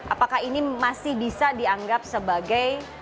apakah ini masih bisa dianggap sebagai